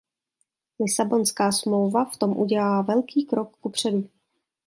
Lisabonská smlouva v tom udělá velký krok kupředu.